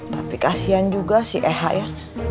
tapi kasian juga si eha ya